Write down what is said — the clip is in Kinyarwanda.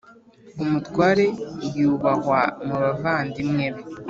Umutware yubahwa mu bavandimwe be,